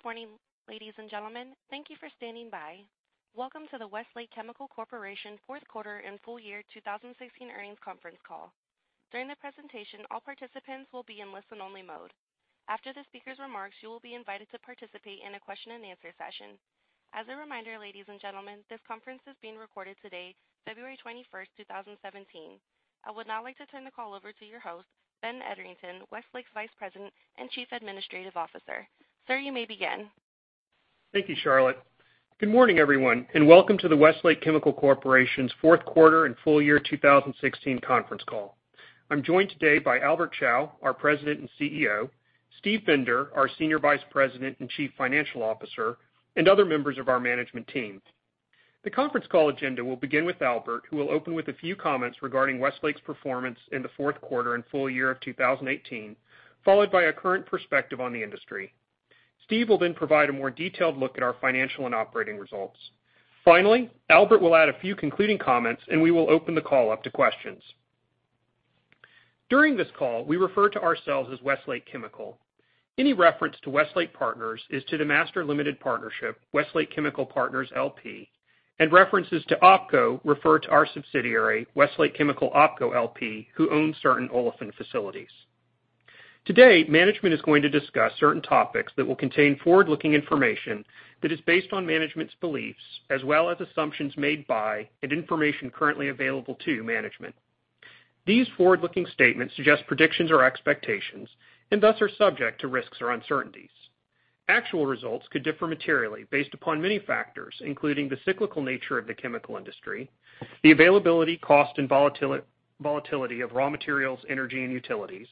Good morning, ladies and gentlemen. Thank you for standing by. Welcome to the Westlake Chemical Corporation fourth quarter and full year 2016 earnings conference call. During the presentation, all participants will be in listen-only mode. After the speaker's remarks, you will be invited to participate in a question-and-answer session. As a reminder, ladies and gentlemen, this conference is being recorded today, February 21st, 2017. I would now like to turn the call over to your host, Ben Ederington, Westlake's Vice President and Chief Administrative Officer. Sir, you may begin. Thank you, Charlotte. Good morning, everyone. Welcome to the Westlake Chemical Corporation's fourth quarter and full year 2016 conference call. I'm joined today by Albert Chao, our President and CEO, Steven Bender, our Senior Vice President and Chief Financial Officer, other members of our management team. The conference call agenda will begin with Albert, who will open with a few comments regarding Westlake's performance in the fourth quarter and full year of 2016, followed by a current perspective on the industry. Steve will then provide a more detailed look at our financial and operating results. Albert will add a few concluding comments, and we will open the call up to questions. During this call, we refer to ourselves as Westlake Chemical. Any reference to Westlake Partners is to the master limited partnership, Westlake Chemical Partners, LP. References to OpCo refer to our subsidiary, Westlake Chemical OpCo LP, who owns certain olefin facilities. Today, management is going to discuss certain topics that will contain forward-looking information that is based on management's beliefs as well as assumptions made by and information currently available to management. These forward-looking statements suggest predictions or expectations and thus are subject to risks or uncertainties. Actual results could differ materially based upon many factors, including the cyclical nature of the chemical industry, the availability, cost, and volatility of raw materials, energy, and utilities,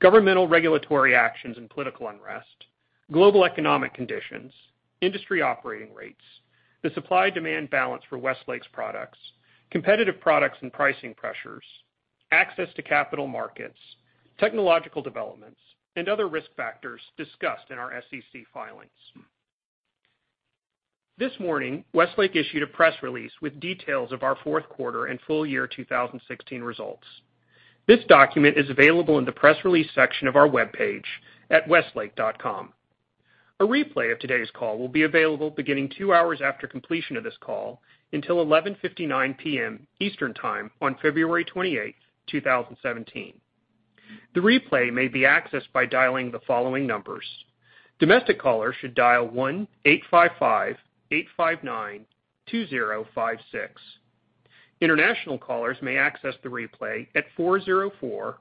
governmental regulatory actions and political unrest, global economic conditions, industry operating rates, the supply-demand balance for Westlake's products, competitive products and pricing pressures, access to capital markets, technological developments, and other risk factors discussed in our SEC filings. This morning, Westlake issued a press release with details of our fourth quarter and full year 2016 results. This document is available in the press release section of our webpage at westlake.com. A replay of today's call will be available beginning two hours after completion of this call until 11:59 P.M. Eastern Time on February 28th, 2017. The replay may be accessed by dialing the following numbers. Domestic callers should dial 1-855-859-2056. International callers may access the replay at 404-537-3406.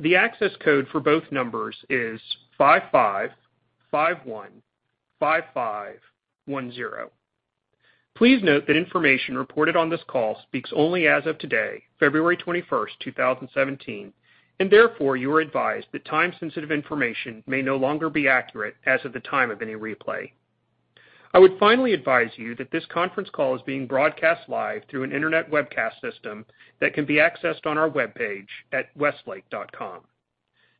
The access code for both numbers is 55515510. Please note that information reported on this call speaks only as of today, February 21st, 2017. Therefore you are advised that time-sensitive information may no longer be accurate as of the time of any replay. I would finally advise you that this conference call is being broadcast live through an internet webcast system that can be accessed on our webpage at westlake.com.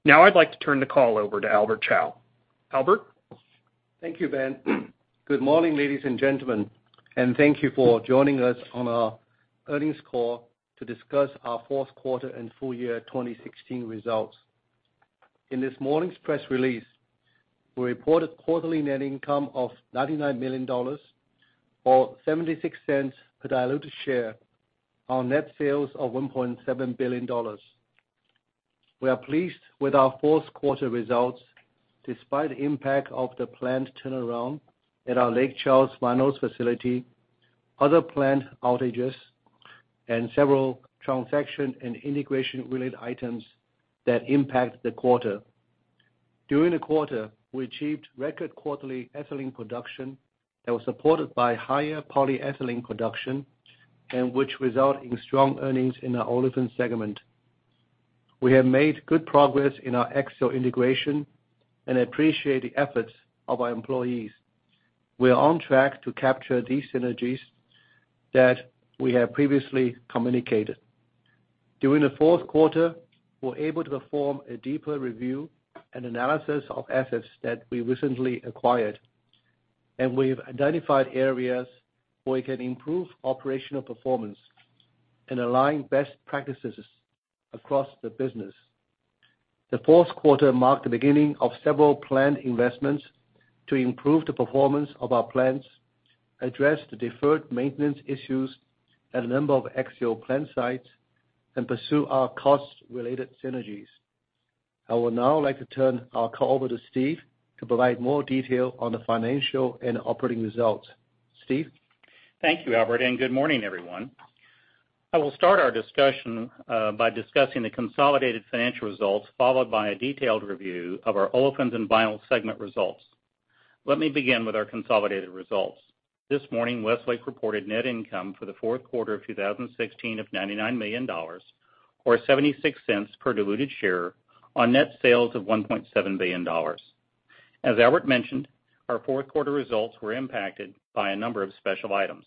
Now I'd like to turn the call over to Albert Chao. Albert? Thank you, Ben. Good morning, ladies and gentlemen, and thank you for joining us on our earnings call to discuss our fourth quarter and full year 2016 results. In this morning's press release, we reported quarterly net income of $99 million, or $0.76 per diluted share on net sales of $1.7 billion. We are pleased with our fourth quarter results despite the impact of the plant turnaround at our Lake Charles vinyls facility, other plant outages, and several transaction and integration-related items that impact the quarter. During the quarter, we achieved record quarterly ethylene production that was supported by higher polyethylene production and which result in strong earnings in our Olefins segment. We have made good progress in our Axiall integration and appreciate the efforts of our employees. We are on track to capture these synergies that we have previously communicated. During the fourth quarter, we were able to perform a deeper review and analysis of assets that we recently acquired, and we've identified areas where we can improve operational performance and align best practices across the business. The fourth quarter marked the beginning of several planned investments to improve the performance of our plants, address the deferred maintenance issues at a number of Axiall plant sites, and pursue our cost-related synergies. I would now like to turn our call over to Steve to provide more detail on the financial and operating results. Steve? Thank you, Albert, and good morning, everyone. I will start our discussion by discussing the consolidated financial results, followed by a detailed review of our Olefins and Vinyls segment results. Let me begin with our consolidated results. This morning, Westlake reported net income for the fourth quarter of 2016 of $99 million, or $0.76 per diluted share, on net sales of $1.7 billion. As Albert mentioned, our fourth quarter results were impacted by a number of special items.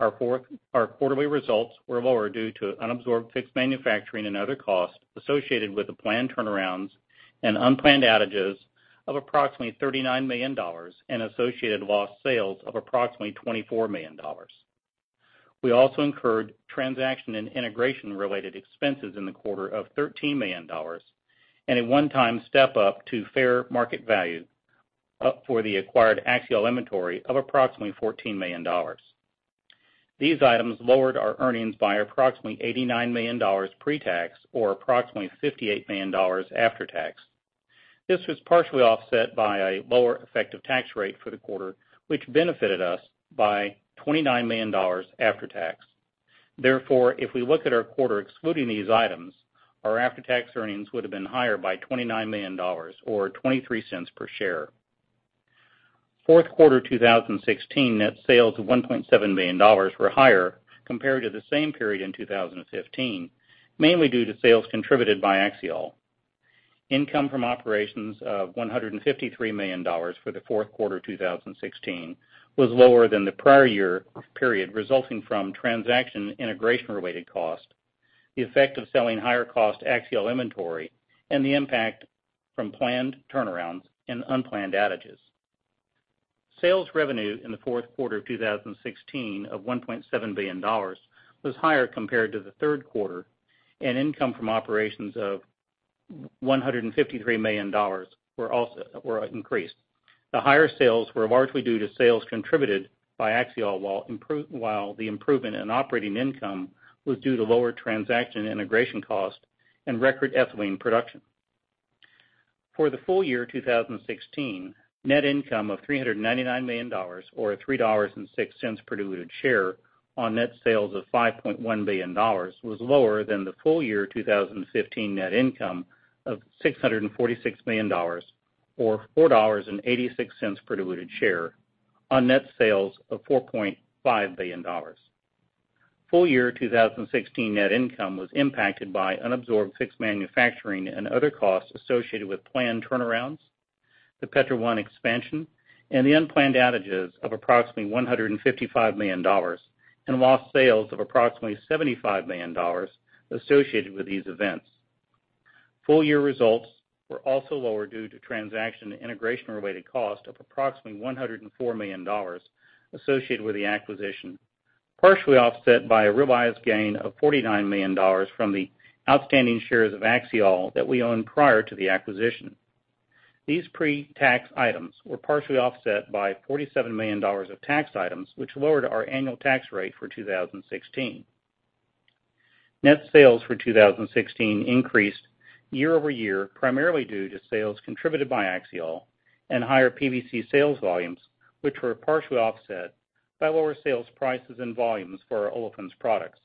Our quarterly results were lower due to unabsorbed fixed manufacturing and other costs associated with the planned turnarounds and unplanned outages of approximately $39 million and associated lost sales of approximately $24 million. We also incurred transaction and integration related expenses in the quarter of $13 million and a one-time step up to fair market value up for the acquired Axiall inventory of approximately $14 million. These items lowered our earnings by approximately $89 million pre-tax or approximately $58 million after tax. This was partially offset by a lower effective tax rate for the quarter, which benefited us by $29 million after tax. If we look at our quarter excluding these items, our after-tax earnings would have been higher by $29 million or $0.23 per share. Fourth quarter 2016 net sales of $1.7 billion were higher compared to the same period in 2015, mainly due to sales contributed by Axiall. Income from operations of $153 million for the fourth quarter 2016 was lower than the prior year period, resulting from transaction integration related cost, the effect of selling higher cost Axiall inventory, and the impact from planned turnarounds and unplanned outages. Sales revenue in the fourth quarter of 2016 of $1.7 billion was higher compared to the third quarter, and income from operations of $153 million were increased. The higher sales were largely due to sales contributed by Axiall, while the improvement in operating income was due to lower transaction integration cost and record ethylene production. For the full year 2016, net income of $399 million, or $3.06 per diluted share on net sales of $5.1 billion was lower than the full year 2015 net income of $646 million or $4.86 per diluted share on net sales of $4.5 billion. Full year 2016 net income was impacted by unabsorbed fixed manufacturing and other costs associated with planned turnarounds, the Petro 1 expansion, and the unplanned outages of approximately $155 million, and lost sales of approximately $75 million associated with these events. Full year results were also lower due to transaction integration related cost of approximately $104 million associated with the acquisition, partially offset by a realized gain of $49 million from the outstanding shares of Axiall that we owned prior to the acquisition. These pre-tax items were partially offset by $47 million of tax items, which lowered our annual tax rate for 2016. Net sales for 2016 increased year-over-year, primarily due to sales contributed by Axiall and higher PVC sales volumes, which were partially offset by lower sales prices and volumes for our Olefins products.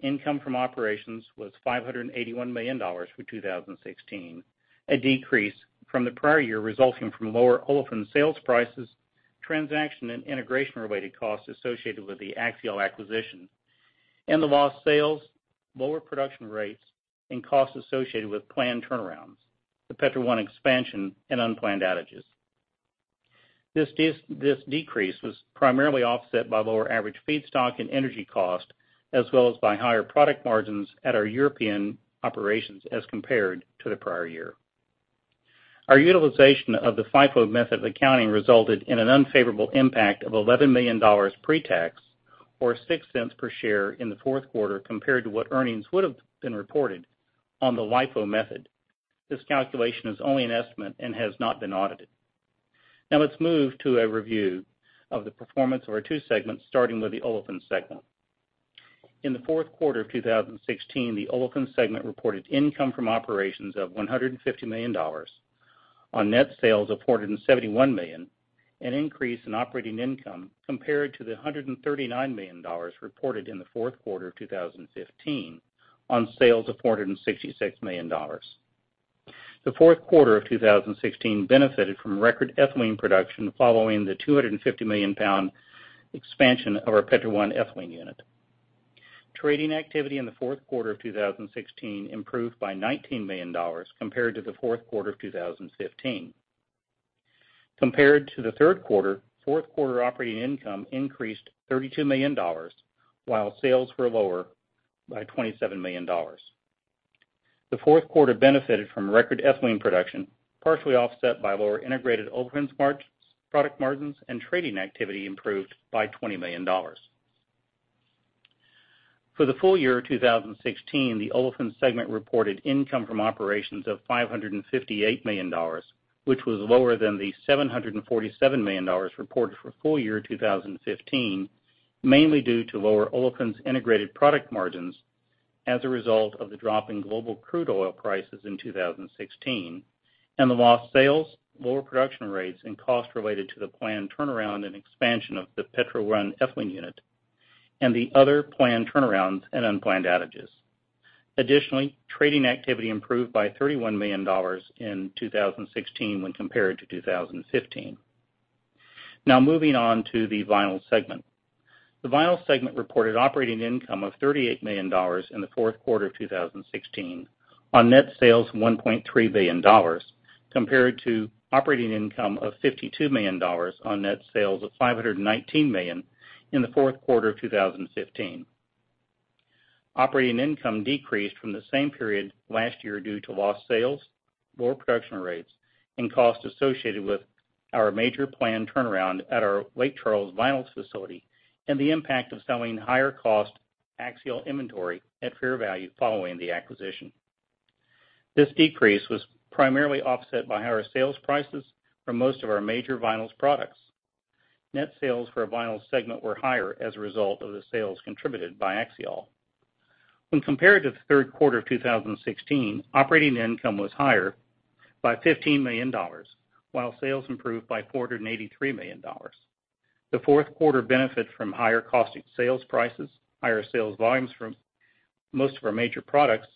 Income from operations was $581 million for 2016, a decrease from the prior year resulting from lower Olefins sales prices, transaction and integration related costs associated with the Axiall acquisition, and the lost sales, lower production rates, and costs associated with planned turnarounds, the Petro 1 expansion, and unplanned outages. This decrease was primarily offset by lower average feedstock and energy cost, as well as by higher product margins at our European operations as compared to the prior year. Our utilization of the FIFO method of accounting resulted in an unfavorable impact of $11 million pre-tax, or $0.06 per share in the fourth quarter compared to what earnings would have been reported on the LIFO method. This calculation is only an estimate and has not been audited. Let's move to a review of the performance of our two segments, starting with the Olefins segment. In the fourth quarter of 2016, the Olefins segment reported income from operations of $150 million on net sales of $471 million, an increase in operating income compared to the $139 million reported in the fourth quarter of 2015 on sales of $466 million. The fourth quarter of 2016 benefited from record ethylene production following the 250 million pound expansion of our Petro 1 ethylene unit. Trading activity in the fourth quarter of 2016 improved by $19 million compared to the fourth quarter of 2015. Compared to the third quarter, fourth quarter operating income increased $32 million, while sales were lower by $27 million. The fourth quarter benefited from record ethylene production, partially offset by lower integrated Olefins product margins and trading activity improved by $20 million. For the full year 2016, the Olefins segment reported income from operations of $558 million, which was lower than the $747 million reported for full year 2015, mainly due to lower Olefins integrated product margins as a result of the drop in global crude oil prices in 2016 and the lost sales, lower production rates, and cost related to the planned turnaround and expansion of the Petro 1 ethylene unit, and the other planned turnarounds and unplanned outages. Additionally, trading activity improved by $31 million in 2016 when compared to 2015. Now moving on to the Vinyls segment. The Vinyls segment reported operating income of $38 million in the fourth quarter of 2016 on net sales of $1.3 billion, compared to operating income of $52 million on net sales of $519 million in the fourth quarter of 2015. Operating income decreased from the same period last year due to lost sales, lower production rates, and costs associated with our major planned turnaround at our Lake Charles vinyls facility, and the impact of selling higher cost Axiall inventory at fair value following the acquisition. This decrease was primarily offset by higher sales prices for most of our major vinyls products. Net sales for our Vinyls segment were higher as a result of the sales contributed by Axiall. When compared to the third quarter of 2016, operating income was higher by $15 million, while sales improved by $483 million. The fourth quarter benefit from higher cost of sales prices, higher sales volumes from most of our major products,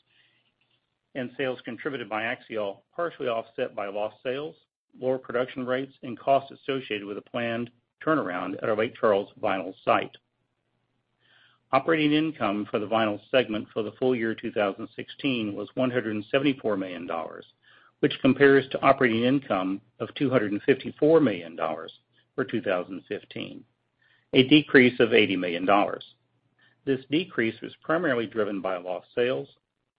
and sales contributed by Axiall, partially offset by lost sales, lower production rates, and costs associated with a planned turnaround at our Lake Charles vinyls site. Operating income for the Vinyls segment for the full year 2016 was $174 million, which compares to operating income of $254 million for 2015, a decrease of $80 million. This decrease was primarily driven by lost sales,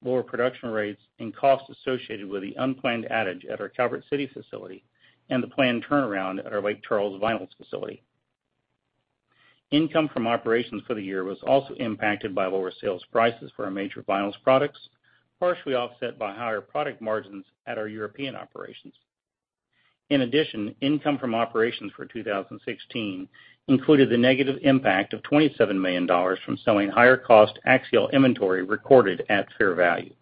lower production rates, and costs associated with the unplanned outage at our Calvert City facility, and the planned turnaround at our Lake Charles vinyls facility. Income from operations for the year was also impacted by lower sales prices for our major vinyls products, partially offset by higher product margins at our European operations. In addition, income from operations for 2016 included the negative impact of $27 million from selling higher cost Axiall inventory recorded at fair value.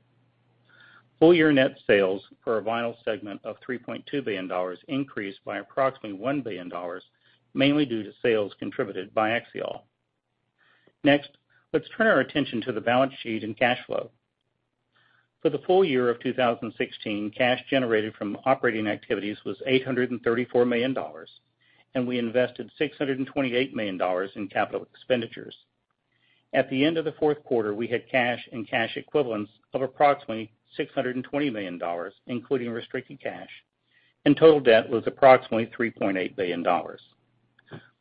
Full year net sales for our Vinyls segment of $3.2 billion increased by approximately $1 billion, mainly due to sales contributed by Axiall. Next, let's turn our attention to the balance sheet and cash flow. For the full year of 2016, cash generated from operating activities was $834 million, we invested $628 million in capital expenditures. At the end of the fourth quarter, we had cash and cash equivalents of approximately $620 million, including restricted cash, and total debt was approximately $3.8 billion.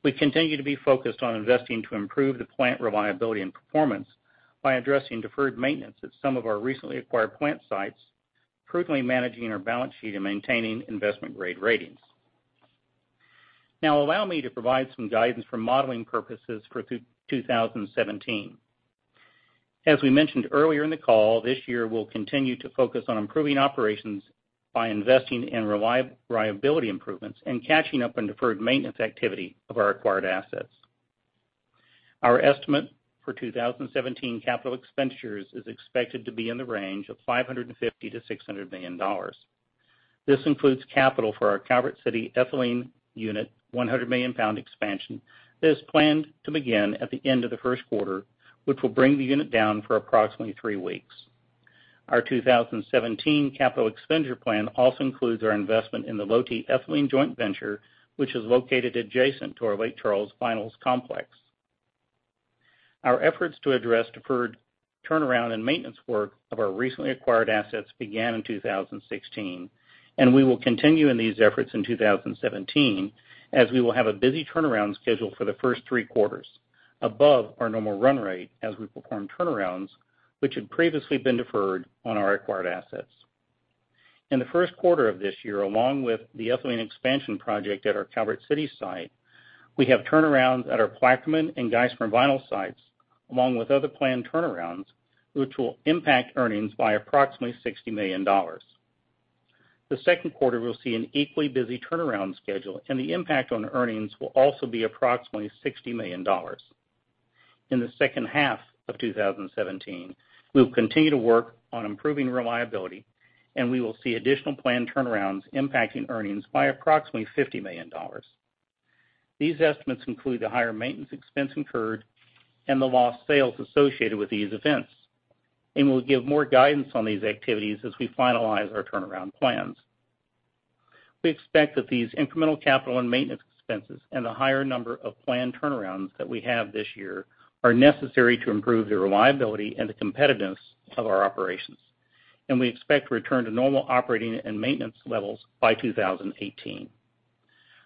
We continue to be focused on investing to improve the plant reliability and performance by addressing deferred maintenance at some of our recently acquired plant sites, prudently managing our balance sheet, and maintaining investment-grade ratings. Now allow me to provide some guidance for modeling purposes for 2017. As we mentioned earlier in the call, this year we'll continue to focus on improving operations by investing in reliability improvements and catching up on deferred maintenance activity of our acquired assets. Our estimate for 2017 capital expenditures is expected to be in the range of $550 million-$600 million. This includes capital for our Calvert City ethylene unit 100-million pound expansion that is planned to begin at the end of the first quarter, which will bring the unit down for approximately three weeks. Our 2017 capital expenditure plan also includes our investment in the Lotte ethylene joint venture, which is located adjacent to our Lake Charles vinyls complex. Our efforts to address deferred turnaround and maintenance work of our recently acquired assets began in 2016, we will continue in these efforts in 2017, as we will have a busy turnaround schedule for the first three quarters, above our normal run rate as we perform turnarounds which had previously been deferred on our acquired assets. In the first quarter of this year, along with the ethylene expansion project at our Calvert City site, we have turnarounds at our Plaquemine and Geismar vinyls sites, along with other planned turnarounds, which will impact earnings by approximately $60 million. The second quarter will see an equally busy turnaround schedule, the impact on earnings will also be approximately $60 million. In the second half of 2017, we will continue to work on improving reliability, we will see additional planned turnarounds impacting earnings by approximately $50 million. These estimates include the higher maintenance expense incurred and the lost sales associated with these events, we'll give more guidance on these activities as we finalize our turnaround plans. We expect that these incremental capital and maintenance expenses and the higher number of planned turnarounds that we have this year are necessary to improve the reliability and the competitiveness of our operations, we expect to return to normal operating and maintenance levels by 2018.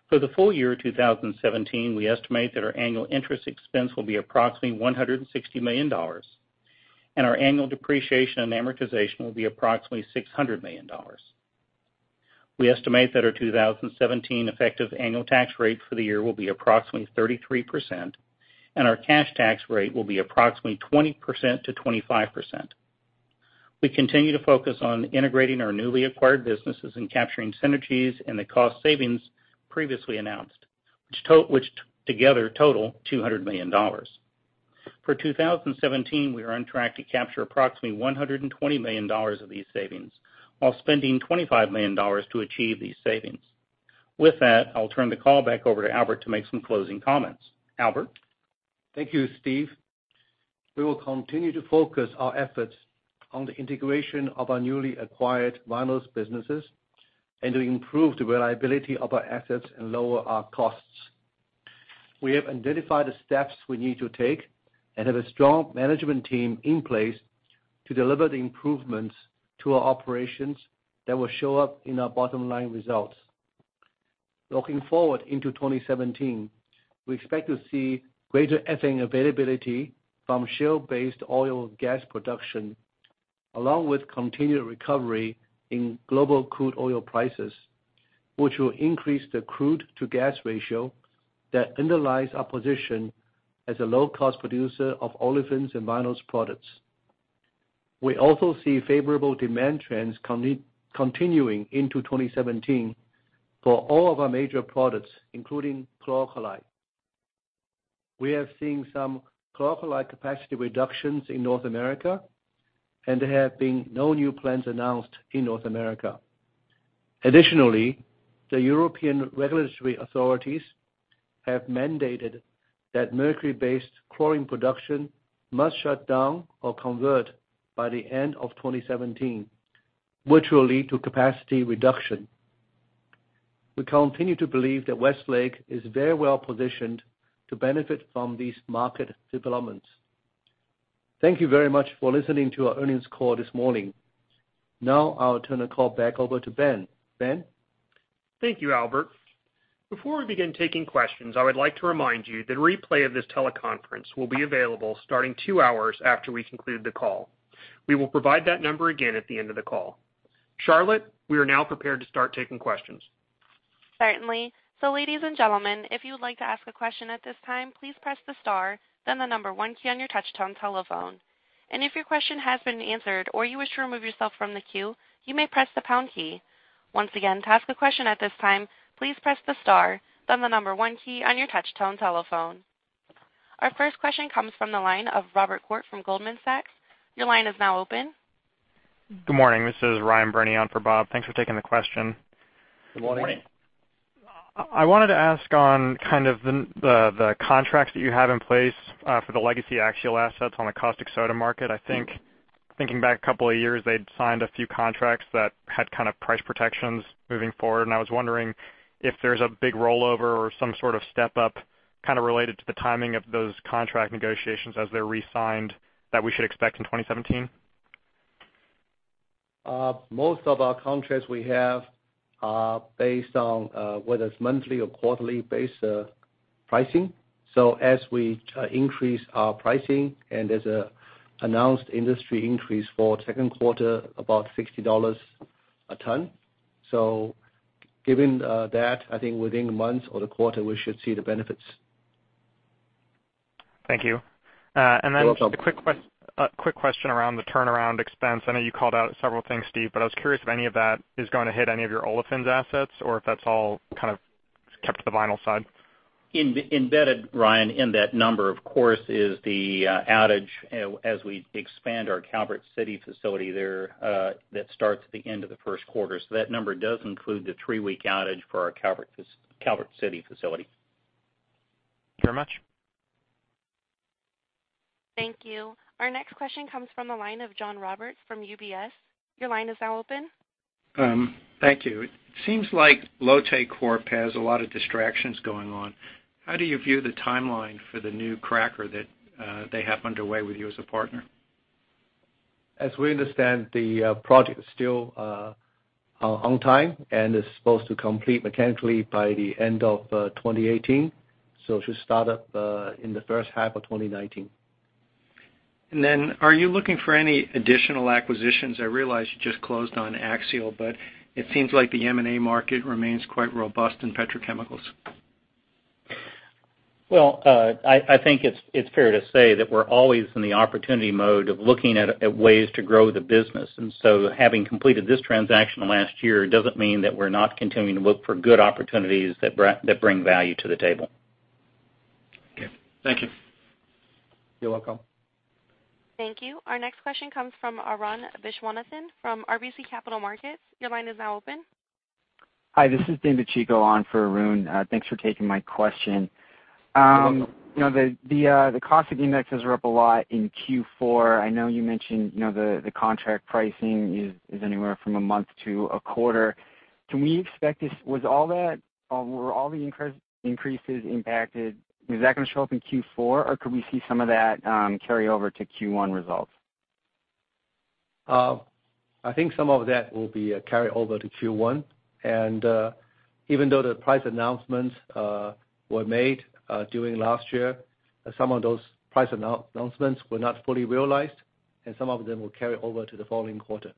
For the full year 2017, we estimate that our annual interest expense will be approximately $160 million, our annual depreciation and amortization will be approximately $600 million. We estimate that our 2017 effective annual tax rate for the year will be approximately 33%, our cash tax rate will be approximately 20%-25%. We continue to focus on integrating our newly acquired businesses and capturing synergies and the cost savings previously announced, which together total $200 million. For 2017, we are on track to capture approximately $120 million of these savings while spending $25 million to achieve these savings. With that, I'll turn the call back over to Albert to make some closing comments. Albert? Thank you, Steve. We will continue to focus our efforts on the integration of our newly acquired vinyls businesses and to improve the reliability of our assets and lower our costs. We have identified the steps we need to take and have a strong management team in place to deliver the improvements to our operations that will show up in our bottom-line results. Looking forward into 2017, we expect to see greater ethane availability from shale-based oil and gas production, along with continued recovery in global crude oil prices, which will increase the crude to gas ratio that underlies our position as a low-cost producer of olefins and vinyls products. We also see favorable demand trends continuing into 2017 for all of our major products, including chlor-alkali. We have seen some chlor-alkali capacity reductions in North America, and there have been no new plants announced in North America. Additionally, the European regulatory authorities have mandated that mercury-based chlorine production must shut down or convert by the end of 2017, which will lead to capacity reduction. We continue to believe that Westlake is very well positioned to benefit from these market developments. Thank you very much for listening to our earnings call this morning. Now I will turn the call back over to Ben. Ben? Thank you, Albert. Before we begin taking questions, I would like to remind you that a replay of this teleconference will be available starting two hours after we conclude the call. We will provide that number again at the end of the call. Charlotte, we are now prepared to start taking questions. Certainly. Ladies and gentlemen, if you would like to ask a question at this time, please press the star then the number 1 key on your touch-tone telephone. If your question has been answered or you wish to remove yourself from the queue, you may press the pound key. Once again, to ask a question at this time, please press the star then the number 1 key on your touch-tone telephone. Our first question comes from the line of Robert Koort from Goldman Sachs. Your line is now open. Good morning. This is Ryan Breney on for Bob. Thanks for taking the question. Good morning. I wanted to ask on kind of the contracts that you have in place for the legacy Axiall assets on the caustic soda market. I think, thinking back a couple of years, they had signed a few contracts that had kind of price protections moving forward, and I was wondering if there's a big rollover or some sort of step-up kind of related to the timing of those contract negotiations as they're re-signed that we should expect in 2017. Most of our contracts we have are based on whether it's monthly or quarterly-based pricing. As we increase our pricing, there's an announced industry increase for second quarter, about $60 a ton. Given that, I think within the month or the quarter, we should see the benefits. Thank you. You're welcome. Just a quick question around the turnaround expense. I know you called out several things, Steve, but I was curious if any of that is going to hit any of your olefins assets or if that's all kind of kept to the vinyl side. Embedded, Ryan, in that number, of course, is the outage as we expand our Calvert City facility there that starts at the end of the first quarter. That number does include the three-week outage for our Calvert City facility. Thank you very much. Thank you. Our next question comes from the line of John Roberts from UBS. Your line is now open. Thank you. It seems like Lotte Corp has a lot of distractions going on. How do you view the timeline for the new cracker that they have underway with you as a partner? As we understand, the project is still on time and is supposed to complete mechanically by the end of 2018. It should start up in the first half of 2019. Are you looking for any additional acquisitions? I realize you just closed on Axiall, it seems like the M&A market remains quite robust in petrochemicals. Well, I think it's fair to say that we're always in the opportunity mode of looking at ways to grow the business. Having completed this transaction last year doesn't mean that we're not continuing to look for good opportunities that bring value to the table. Okay. Thank you. You're welcome. Thank you. Our next question comes from Arun Viswanathan from RBC Capital Markets. Your line is now open. Hi. This is [David Butsika] on for Arun. Thanks for taking my question. You're welcome. The caustic index is up a lot in Q4. I know you mentioned the contract pricing is anywhere from a month to a quarter. Were all the increases impacted, is that going to show up in Q4, or could we see some of that carry over to Q1 results? I think some of that will be carried over to Q1. Even though the price announcements were made during last year, some of those price announcements were not fully realized, and some of them will carry over to the following quarter.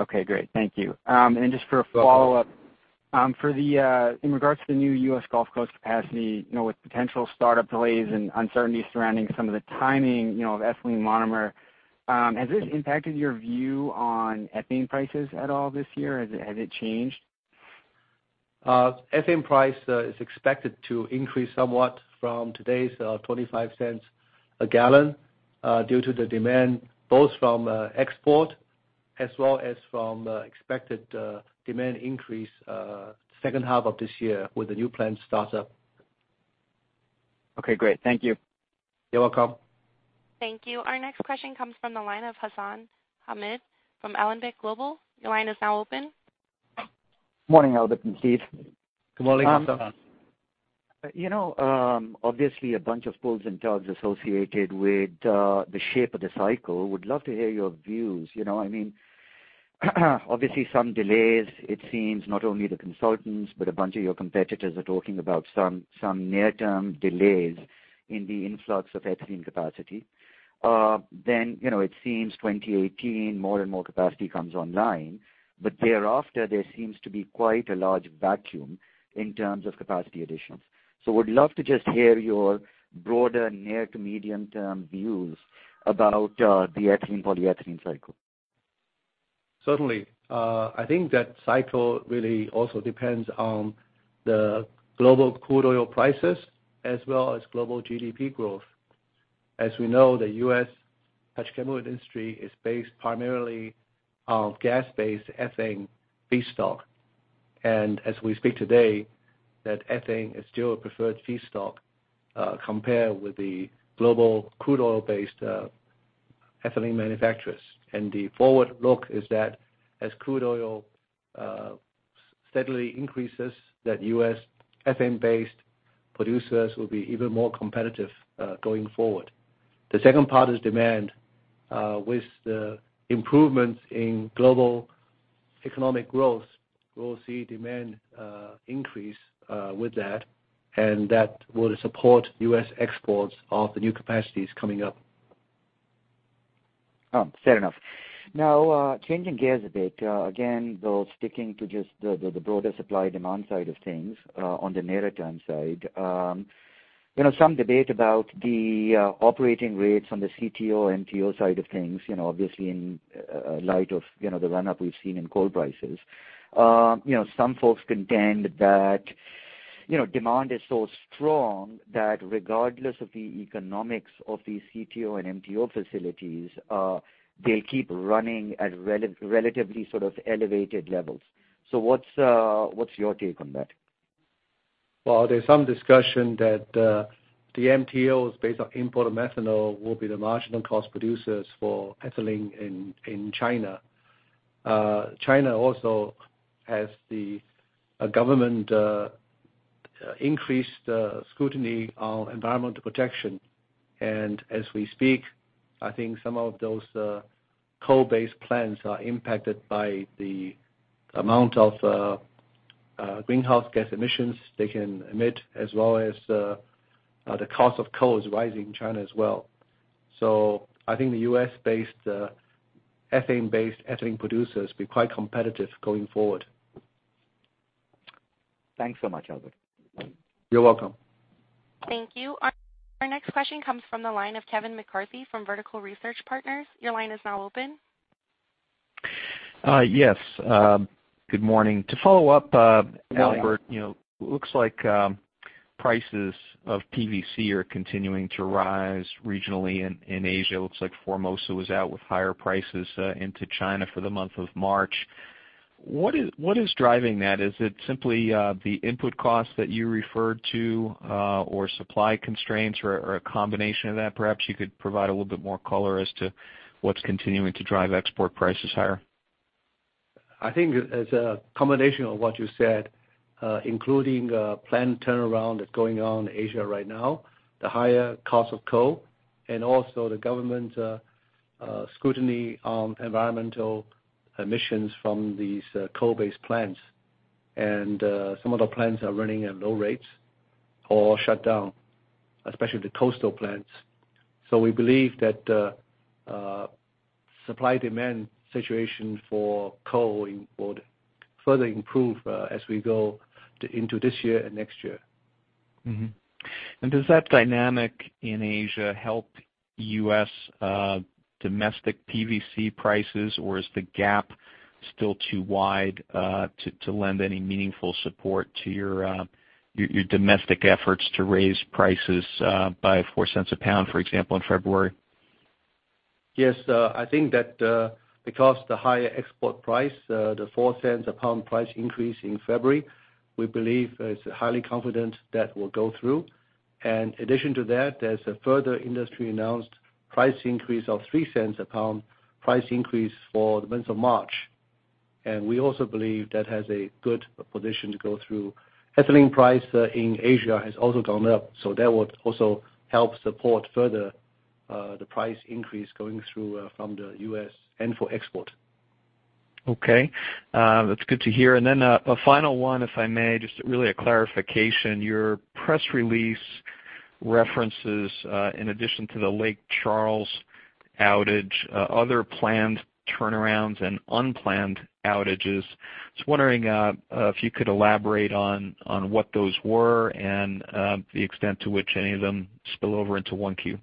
Okay, great. Thank you. You're welcome. Just for a follow-up. In regards to the new U.S. Gulf Coast capacity, with potential startup delays and uncertainty surrounding some of the timing of ethylene monomer, has this impacted your view on ethane prices at all this year? Has it changed? Ethane price is expected to increase somewhat from today's $0.25 a gallon due to the demand both from export as well as from expected demand increase second half of this year with the new plant startup. Okay, great. Thank you. You're welcome. Thank you. Our next question comes from the line of Hassan Ahmed from Alembic Global Advisors. Your line is now open. Morning, Albert and Steve. Good morning, Hassan. Obviously a bunch of pulls and tugs associated with the shape of the cycle. Would love to hear your views. Obviously some delays, it seems not only the consultants, but a bunch of your competitors are talking about some near-term delays in the influx of ethylene capacity. It seems 2018, more and more capacity comes online, but thereafter, there seems to be quite a large vacuum in terms of capacity additions. Would love to just hear your broader near to medium term views about the ethylene polyethylene cycle. Certainly. I think that cycle really also depends on the global crude oil prices as well as global GDP growth. As we know, the U.S. petrochemical industry is based primarily on gas-based ethane feedstock. As we speak today, that ethane is still a preferred feedstock compared with the global crude oil-based ethylene manufacturers. The forward look is that as crude oil steadily increases, that U.S. ethane-based producers will be even more competitive going forward. The second part is demand. With the improvements in global economic growth, we'll see demand increase with that, and that will support U.S. exports of the new capacities coming up. Fair enough. Changing gears a bit. Again, though sticking to just the broader supply-demand side of things on the nearer term side. Some debate about the operating rates on the CTO, MTO side of things obviously in light of the run-up we've seen in coal prices. Some folks contend that demand is so strong that regardless of the economics of the CTO and MTO facilities, they'll keep running at relatively elevated levels. What's your take on that? Well, there's some discussion that the MTOs based on import of methanol will be the marginal cost producers for ethylene in China. China also has the government increased scrutiny on environmental protection. As we speak, I think some of those coal-based plants are impacted by the amount of greenhouse gas emissions they can emit, as well as the cost of coal is rising in China as well. I think the U.S.-based, ethane-based ethylene producers will be quite competitive going forward. Thanks so much, Albert. You're welcome. Thank you. Our next question comes from the line of Kevin McCarthy from Vertical Research Partners. Your line is now open. Yes. Good morning. Morning Albert, looks like prices of PVC are continuing to rise regionally in Asia. Looks like Formosa was out with higher prices into China for the month of March. What is driving that? Is it simply the input costs that you referred to or supply constraints or a combination of that perhaps? You could provide a little bit more color as to what's continuing to drive export prices higher. I think it's a combination of what you said including plant turnaround that's going on in Asia right now, the higher cost of coal, and also the government scrutiny on environmental emissions from these coal-based plants. Some of the plants are running at low rates or shut down, especially the coastal plants. We believe that the supply-demand situation for coal would further improve as we go into this year and next year. Mm-hmm. Does that dynamic in Asia help U.S. domestic PVC prices or is the gap still too wide to lend any meaningful support to your domestic efforts to raise prices by $0.04 a pound, for example, in February? Yes. I think that because the higher export price the $0.04 a pound price increase in February, we believe is highly confident that will go through. In addition to that, there's a further industry-announced price increase of $0.03 a pound price increase for the month of March. We also believe that has a good position to go through. Ethylene price in Asia has also gone up, that would also help support further the price increase going through from the U.S. and for export. Okay. That's good to hear. Then a final one, if I may, just really a clarification. Your press release references in addition to the Lake Charles outage other planned turnarounds and unplanned outages. Just wondering if you could elaborate on what those were and the extent to which any of them spill over into 1Q.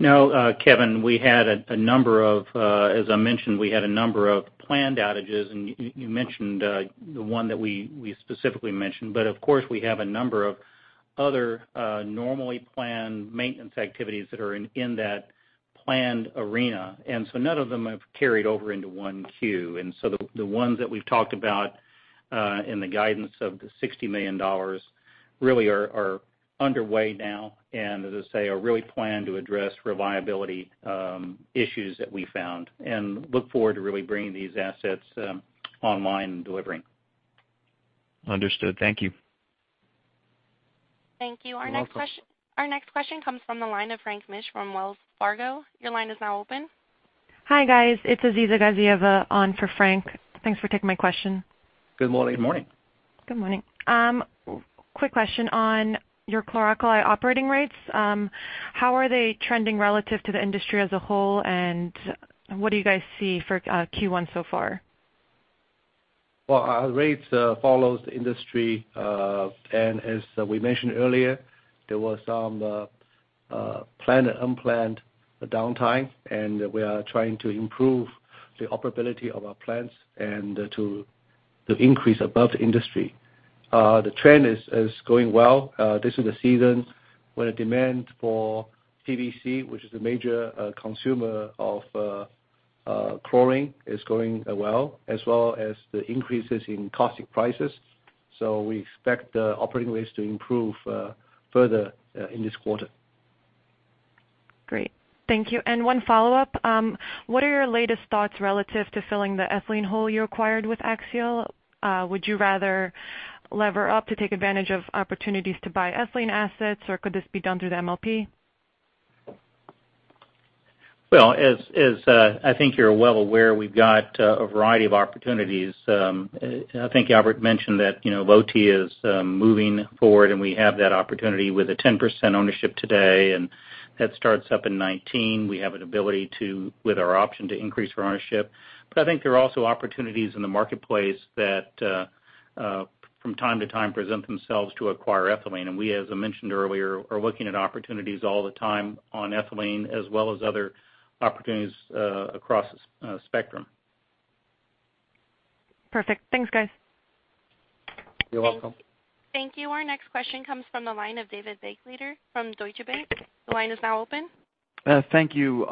Now, Kevin, as I mentioned, we had a number of planned outages, and you mentioned the one that we specifically mentioned. Of course, we have a number of other normally planned maintenance activities that are in that planned arena. None of them have carried over into 1Q. The ones that we've talked about in the guidance of the $60 million really are. Underway now. As I say, are really planned to address reliability issues that we found and look forward to really bringing these assets online and delivering. Understood. Thank you. Thank you. You're welcome. Our next question comes from the line of Frank Mitsch from Wells Fargo. Your line is now open. Hi, guys. It's Azeezah Gazi on for Frank. Thanks for taking my question. Good morning. Good morning. Good morning. Quick question on your chlor-alkali operating rates. How are they trending relative to the industry as a whole, and what do you guys see for Q1 so far? Well, our rates follows the industry. As we mentioned earlier, there was some planned and unplanned downtime. We are trying to improve the operability of our plants and to increase above the industry. The trend is going well. This is the season when a demand for PVC, which is a major consumer of chlorine, is going well, as well as the increases in caustic prices. We expect the operating rates to improve further in this quarter. Great. Thank you. One follow-up. What are your latest thoughts relative to filling the ethylene hole you acquired with Axiall? Would you rather lever up to take advantage of opportunities to buy ethylene assets, or could this be done through the MLP? Well, as I think you're well aware, we've got a variety of opportunities. I think Albert mentioned that, Lotte is moving forward, and we have that opportunity with a 10% ownership today, and that starts up in 2019. We have an ability to, with our option, to increase our ownership. I think there are also opportunities in the marketplace that from time to time present themselves to acquire ethylene. We, as I mentioned earlier, are looking at opportunities all the time on ethylene as well as other opportunities across the spectrum. Perfect. Thanks, guys. You're welcome. Thank you. Our next question comes from the line of David Begleiter from Deutsche Bank. The line is now open. Thank you.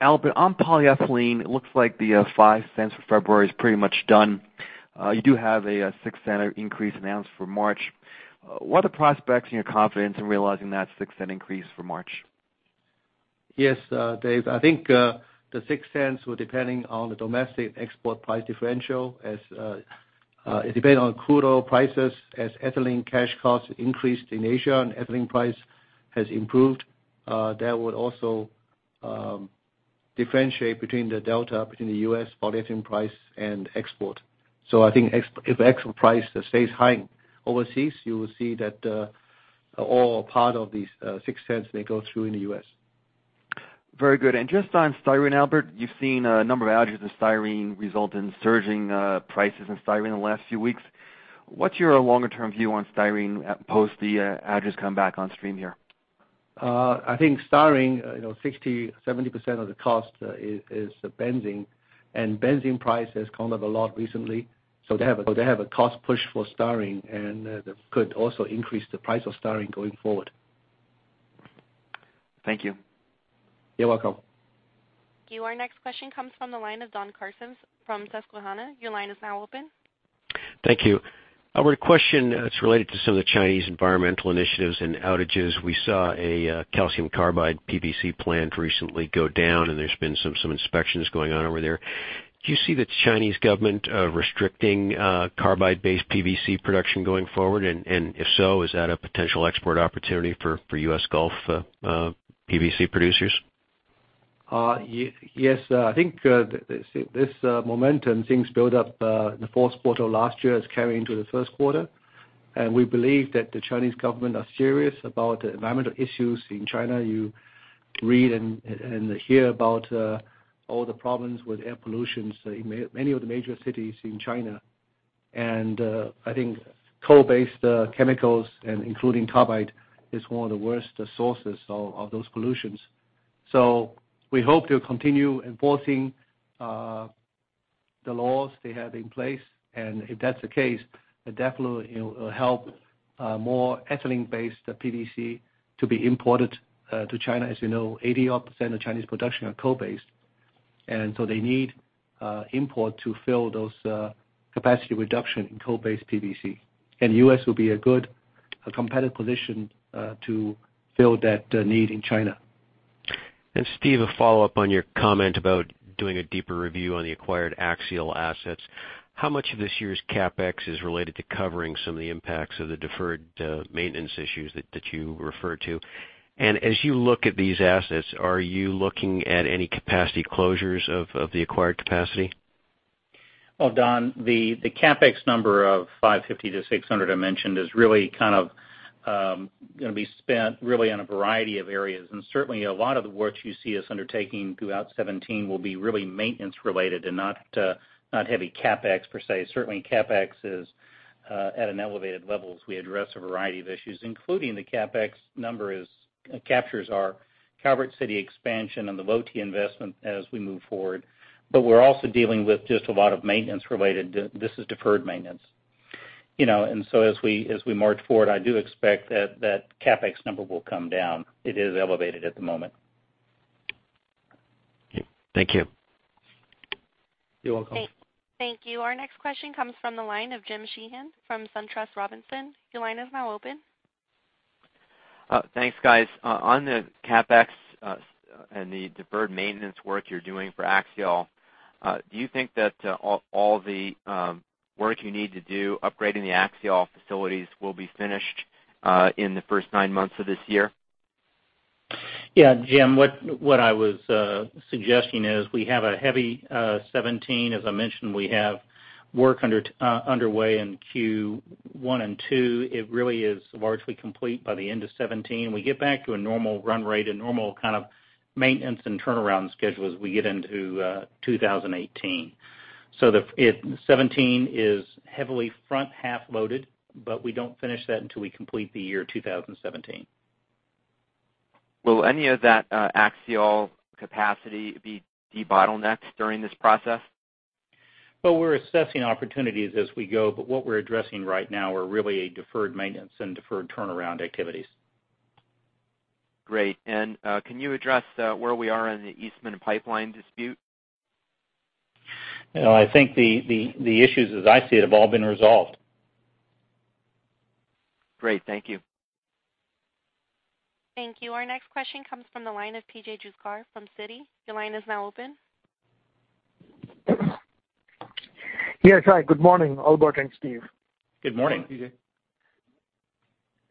Albert, on polyethylene, it looks like the $0.05 for February is pretty much done. You do have a $0.06 increase announced for March. What are the prospects and your confidence in realizing that $0.06 increase for March? Yes, Dave. I think the $0.06 were depending on the domestic export price differential as it depends on crude oil prices. As ethylene cash costs increased in Asia and ethylene price has improved, that would also differentiate between the delta between the U.S. polyethylene price and export. I think if the export price stays high overseas, you will see that all part of these $0.06 may go through in the U.S. Very good. Just on styrene, Albert, you've seen a number of outages in styrene result in surging prices in styrene in the last few weeks. What's your longer-term view on styrene post the outages come back on stream here? I think styrene, 60%-70% of the cost is the benzene. Benzene price has gone up a lot recently. They have a cost push for styrene, and that could also increase the price of styrene going forward. Thank you. You're welcome. Our next question comes from the line of Don Carson from Susquehanna. Your line is now open. Thank you. Albert, a question that's related to some of the Chinese environmental initiatives and outages. We saw a calcium carbide PVC plant recently go down, and there's been some inspections going on over there. Do you see the Chinese government restricting carbide-based PVC production going forward? If so, is that a potential export opportunity for U.S. Gulf PVC producers? Yes. I think this momentum, things build up in the fourth quarter last year is carrying to the first quarter. We believe that the Chinese government are serious about the environmental issues in China. You read and hear about all the problems with air pollution in many of the major cities in China. I think coal-based chemicals, and including carbide, is one of the worst sources of those pollutions. We hope to continue enforcing the laws they have in place. If that's the case, it definitely will help more ethylene-based PVC to be imported to China. As you know, 80% odd of Chinese production are coal-based, so they need import to fill those capacity reduction in coal-based PVC. U.S. will be a good competitive position to fill that need in China. Steve, a follow-up on your comment about doing a deeper review on the acquired Axiall assets. How much of this year's CapEx is related to covering some of the impacts of the deferred maintenance issues that you referred to? As you look at these assets, are you looking at any capacity closures of the acquired capacity? Well, Don, the CapEx number of $550-$600 I mentioned is really going to be spent really on a variety of areas. Certainly, a lot of the work you see us undertaking throughout 2017 will be really maintenance related and not heavy CapEx per se. Certainly, CapEx is at an elevated level as we address a variety of issues, including the CapEx number captures our Calvert City expansion and the Lotte investment as we move forward. We're also dealing with just a lot of maintenance related. This is deferred maintenance. As we march forward, I do expect that CapEx number will come down. It is elevated at the moment. Thank you. You're welcome. Thank you. Our next question comes from the line of Jim Sheehan from SunTrust Robinson. Your line is now open. Thanks, guys. On the CapEx, and the deferred maintenance work you're doing for Axiall, do you think that all the work you need to do upgrading the Axiall facilities will be finished in the first nine months of this year? Yeah, Jim, what I was suggesting is we have a heavy 2017. As I mentioned, we have work underway in Q1 and two. It really is largely complete by the end of 2017. We get back to a normal run rate and normal kind of maintenance and turnaround schedule as we get into 2018. 2017 is heavily front half loaded, but we don't finish that until we complete the year 2017. Will any of that Axiall capacity be debottlenecked during this process? Well, we're assessing opportunities as we go, but what we're addressing right now are really deferred maintenance and deferred turnaround activities. Great. Can you address where we are in the Eastman pipeline dispute? I think the issues as I see it have all been resolved. Great. Thank you. Thank you. Our next question comes from the line of P.J. Juvekar from Citi. Your line is now open. Yes. Hi, good morning, Albert and Steve. Good morning. Good morning,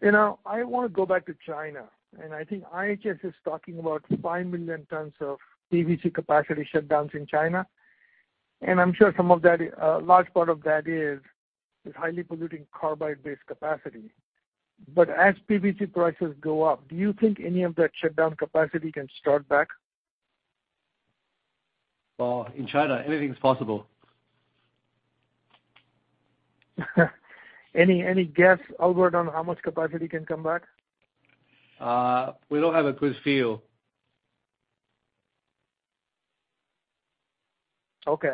P.J. I want to go back to China. I think IHS is talking about 5 million tons of PVC capacity shutdowns in China. I'm sure a large part of that is highly polluting carbide-based capacity. As PVC prices go up, do you think any of that shutdown capacity can start back? Well, in China, anything's possible. Any guess, Albert, on how much capacity can come back? We don't have a good feel. Okay.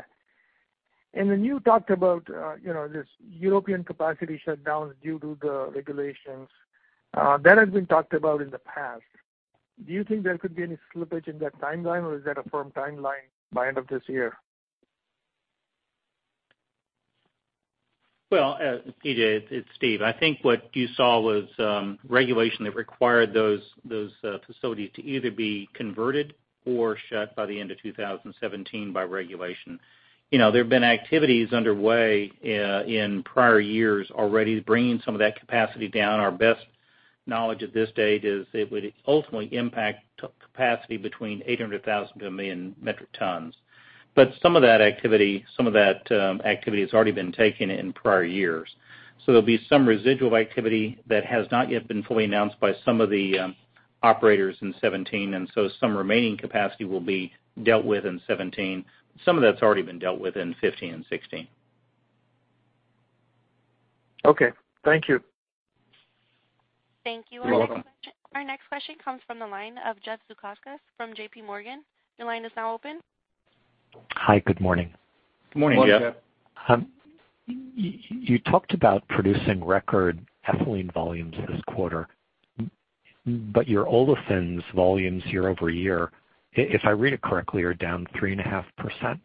Then you talked about this European capacity shutdowns due to the regulations. That has been talked about in the past. Do you think there could be any slippage in that timeline, or is that a firm timeline by end of this year? Well, P.J., it's Steve. I think what you saw was regulation that required those facilities to either be converted or shut by the end of 2017 by regulation. There have been activities underway in prior years already bringing some of that capacity down. Our best knowledge at this date is it would ultimately impact capacity between 800,000 metric tons-1 million metric tons. Some of that activity has already been taken in prior years. There'll be some residual activity that has not yet been fully announced by some of the operators in 2017, and so some remaining capacity will be dealt with in 2017. Some of that's already been dealt with in 2015 and 2016. Okay. Thank you. Thank you. You're welcome. Our next question comes from the line of Jeffrey Zekauskas from J.P. Morgan. Your line is now open. Hi. Good morning. Good morning, Jeff. Good morning, Jeff. You talked about producing record ethylene volumes this quarter, but your olefins volumes year-over-year, if I read it correctly, are down 3.5%.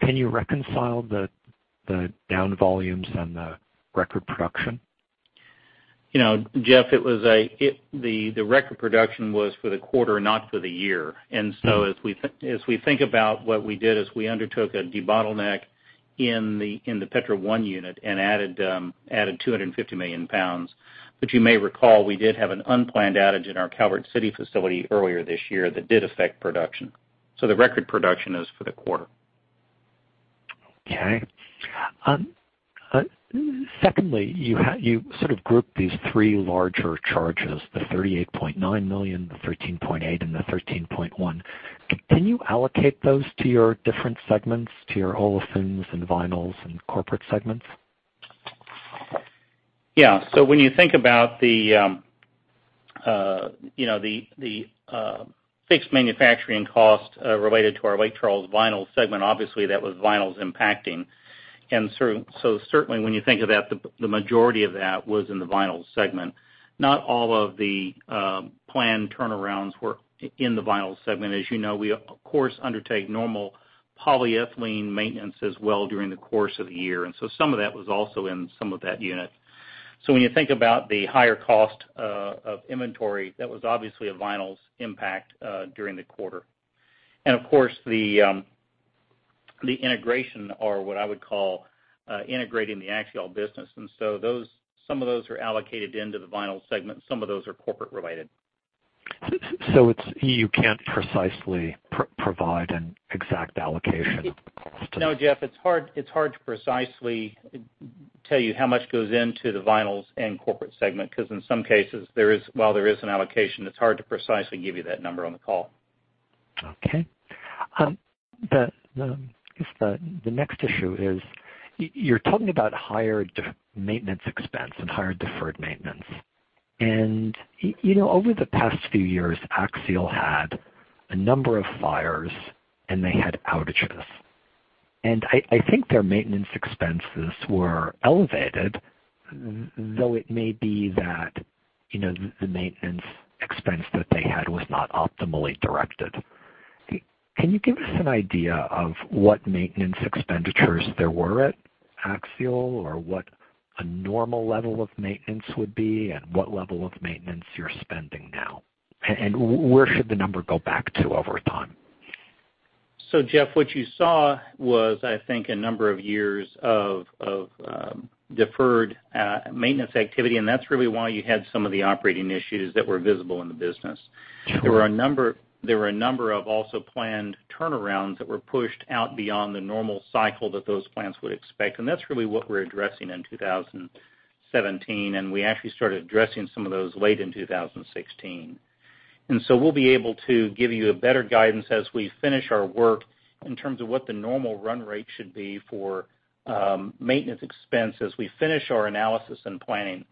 Can you reconcile the down volumes and the record production? Jeff, the record production was for the quarter, not for the year. As we think about what we did, is we undertook a debottleneck in the Petro 1 unit and added 250 million pounds, which you may recall we did have an unplanned outage in our Calvert City facility earlier this year that did affect production. The record production is for the quarter. Okay. Secondly, you sort of grouped these three larger charges, the $38.9 million, the $13.8, and the $13.1. Can you allocate those to your different segments, to your Olefins and Vinyls and corporate segments? Yeah. When you think about the fixed manufacturing cost related to our Lake Charles Vinyls segment, obviously that was Vinyls impacting. Certainly when you think of that, the majority of that was in the Vinyls segment. Not all of the planned turnarounds were in the Vinyls segment. As you know, we of course undertake normal polyethylene maintenance as well during the course of the year. Some of that was also in some of that unit. When you think about the higher cost of inventory, that was obviously a Vinyls impact during the quarter. And of course, the integration or what I would call integrating the Axiall business. Some of those are allocated into the Vinyls segment. Some of those are corporate related. You can't precisely provide an exact allocation of the cost? No, Jeff, it's hard to precisely tell you how much goes into the Vinyls and corporate segment, because in some cases, while there is an allocation, it's hard to precisely give you that number on the call. Okay. I guess the next issue is you're talking about higher maintenance expense and higher deferred maintenance. Over the past few years, Axiall had a number of fires, and they had outages. I think their maintenance expenses were elevated, though it may be that the maintenance expense that they had was not optimally directed. Can you give us an idea of what maintenance expenditures there were at Axiall, or what a normal level of maintenance would be, and what level of maintenance you're spending now? Where should the number go back to over time? Jeff, what you saw was, I think, a number of years of deferred maintenance activity, and that's really why you had some of the operating issues that were visible in the business. Sure. There were a number of also planned turnarounds that were pushed out beyond the normal cycle that those plants would expect, and that's really what we're addressing in 2017, and we actually started addressing some of those late in 2016. We'll be able to give you a better guidance as we finish our work in terms of what the normal run rate should be for maintenance expense as we finish our analysis and planning.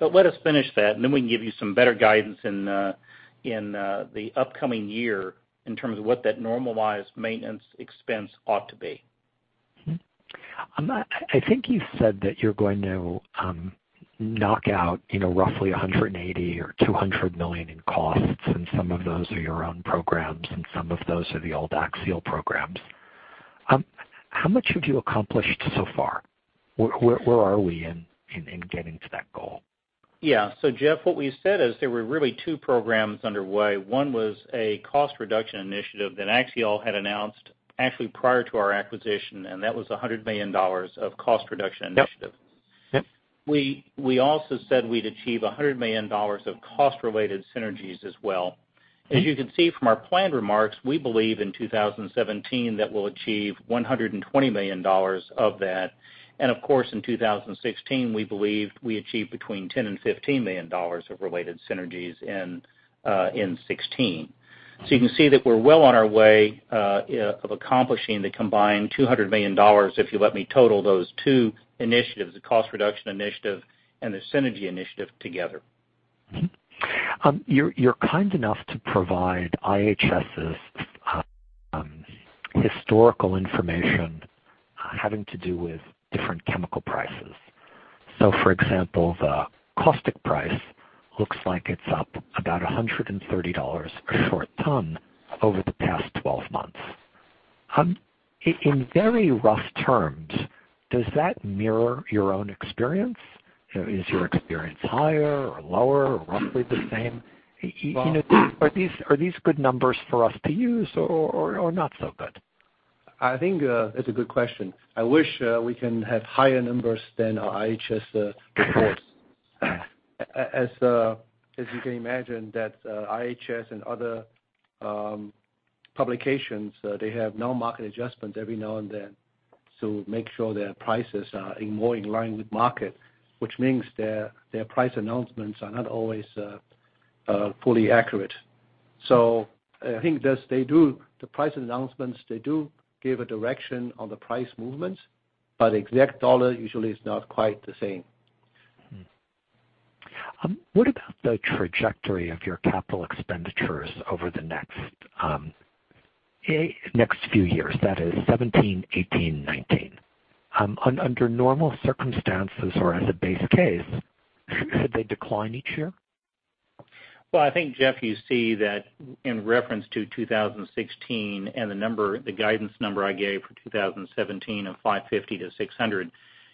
Let us finish that, and then we can give you some better guidance in the upcoming year in terms of what that normalized maintenance expense ought to be. Mm-hmm. I think you said that you're going to knock out roughly $180 million or $200 million in costs. Some of those are your own programs, and some of those are the old Axiall programs. How much have you accomplished so far? Where are we in getting to that goal? Yeah. Jeff, what we said is there were really two programs underway. One was a cost reduction initiative that Axiall had announced actually prior to our acquisition, and that was $100 million of cost reduction initiative. Yep. We also said we'd achieve $100 million of cost-related synergies as well. As you can see from our planned remarks, we believe in 2017 that we'll achieve $120 million of that. Of course, in 2016, we believed we achieved between $10 million and $15 million of related synergies in 2016. You can see that we're well on our way of accomplishing the combined $200 million, if you let me total those two initiatives, the cost reduction initiative and the synergy initiative together. You're kind enough to provide IHS's historical information having to do with different chemical prices. For example, the caustic price looks like it's up about $130 a short ton over the past 12 months. In very rough terms, does that mirror your own experience? Is your experience higher or lower or roughly the same? Well- Are these good numbers for us to use or not so good? I think it's a good question. I wish we can have higher numbers than our IHS Markit reports. As you can imagine, IHS Markit and other publications, they have no market adjustment every now and then to make sure their prices are more in line with market, which means their price announcements are not always fully accurate. I think the price announcements, they do give a direction on the price movements, but exact dollar usually is not quite the same. What about the trajectory of your capital expenditures over the next few years, that is 2017, 2018, 2019? Under normal circumstances or as a base case, should they decline each year? Well, I think, Jeff, you see that in reference to 2016 and the guidance number I gave for 2017 of $550-$600.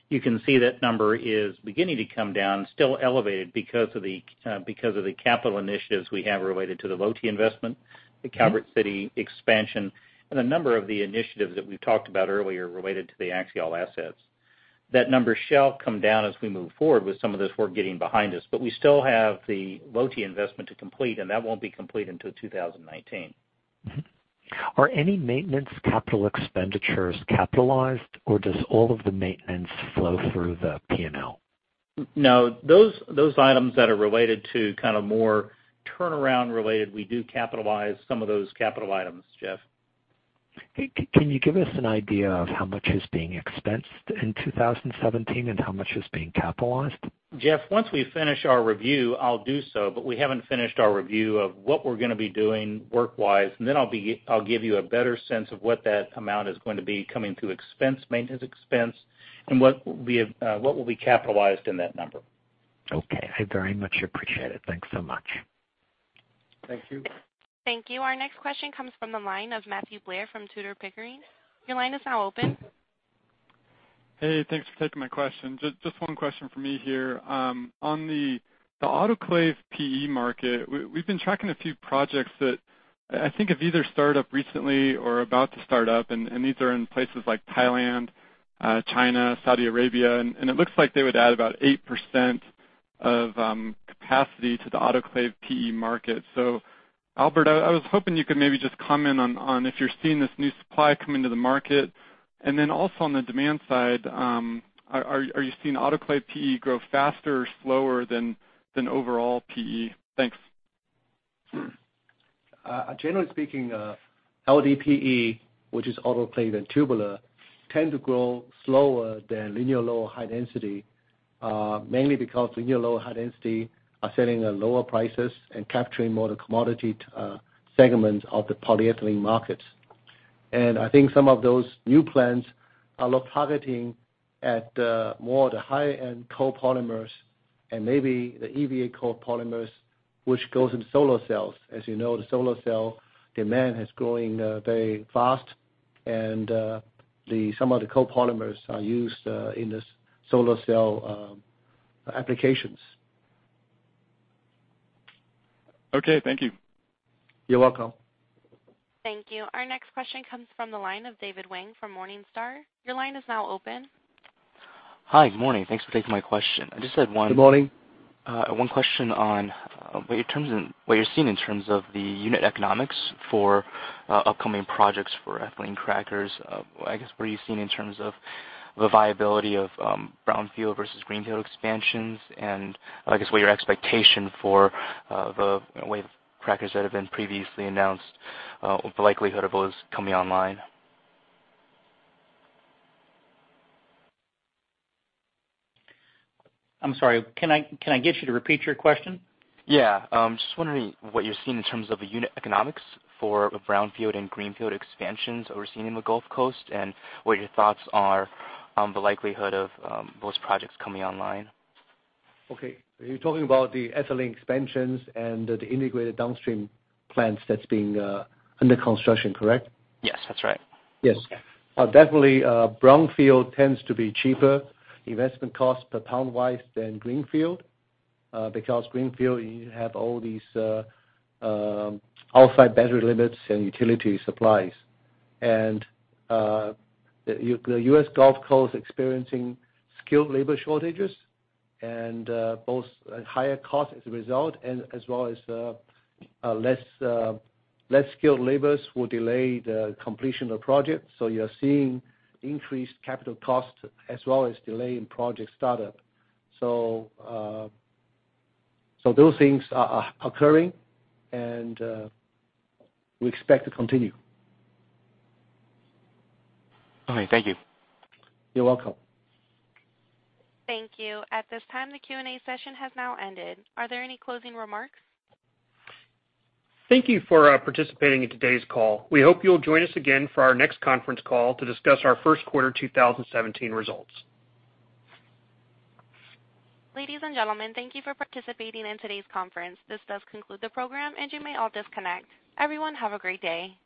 You can see that number is beginning to come down, still elevated because of the capital initiatives we have related to the Lotte investment, the Calvert City expansion, and a number of the initiatives that we've talked about earlier related to the Axiall assets. That number shall come down as we move forward with some of this work getting behind us, but we still have the Lotte investment to complete, and that won't be complete until 2019. Are any maintenance capital expenditures capitalized, or does all of the maintenance flow through the P&L? No. Those items that are related to kind of more turnaround related, we do capitalize some of those capital items, Jeff. Can you give us an idea of how much is being expensed in 2017 and how much is being capitalized? Jeff, once we finish our review, I'll do so. We haven't finished our review of what we're going to be doing work-wise. Then I'll give you a better sense of what that amount is going to be coming through expense, maintenance expense, and what will be capitalized in that number. Okay. I very much appreciate it. Thanks so much. Thank you. Thank you. Our next question comes from the line of Matthew Blair from Tudor, Pickering. Your line is now open. Hey, thanks for taking my question. Just one question from me here. On the autoclave PE market, we've been tracking a few projects that I think have either started up recently or are about to start up, and these are in places like Thailand, China, Saudi Arabia, and it looks like they would add about 8% of capacity to the autoclave PE market. Albert, I was hoping you could maybe just comment on if you're seeing this new supply come into the market. Also on the demand side, are you seeing autoclave PE grow faster or slower than overall PE? Thanks. Generally speaking, LDPE, which is autoclaved and tubular, tend to grow slower than linear low high density. Mainly because the new low high density are setting at lower prices and capturing more of the commodity segments of the polyethylene markets. I think some of those new plants are targeting at more of the high-end copolymers and maybe the EVA copolymers, which goes into solar cells. As you know, the solar cell demand is growing very fast and some of the copolymers are used in the solar cell applications. Okay, thank you. You're welcome. Thank you. Our next question comes from the line of David Wang from Morningstar. Your line is now open. Hi. Morning. Thanks for taking my question. I just had one- Good morning one question on what you're seeing in terms of the unit economics for upcoming projects for ethylene crackers. I guess what are you seeing in terms of the viability of brownfield versus greenfield expansions, and I guess, what your expectation for the wave of crackers that have been previously announced, the likelihood of those coming online? I'm sorry, can I get you to repeat your question? Yeah. Just wondering what you're seeing in terms of the unit economics for brownfield and greenfield expansions that we're seeing in the Gulf Coast, and what your thoughts are on the likelihood of those projects coming online. Okay. Are you talking about the ethylene expansions and the integrated downstream plants that's being under construction, correct? Yes, that's right. Yes. Okay. Definitely brownfield tends to be cheaper investment cost per pound-wise than greenfield, because greenfield, you have all these offsite battery limits and utility supplies. The U.S. Gulf Coast is experiencing skilled labor shortages, and both higher cost as a result, as well as less skilled labors will delay the completion of projects. You're seeing increased capital costs as well as delay in project startup. Those things are occurring, and we expect to continue. All right. Thank you. You're welcome. Thank you. At this time, the Q&A session has now ended. Are there any closing remarks? Thank you for participating in today's call. We hope you'll join us again for our next conference call to discuss our first quarter 2017 results. Ladies and gentlemen, thank you for participating in today's conference. This does conclude the program, and you may all disconnect. Everyone, have a great day.